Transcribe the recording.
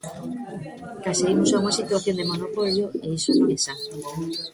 Case imos a unha situación de monopolio e iso non é san.